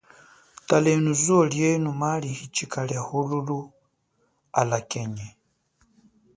Talenu zuwo lienu maali hichika liahululu, alakenye.